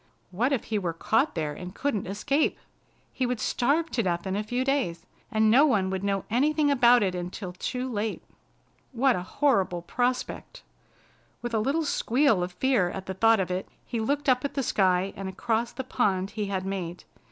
What if he were caught there and couldn't escape! He would starve to death in a few days, and no one would know anything about it until too late. What a horrible prospect! With a little squeal of fear at the thought of it, he looked up at the sky and across the pond he had made.